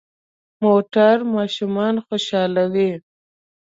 موټر ماشومان خوشحالوي.